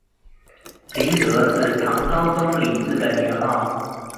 麟德是唐高宗李治的年号。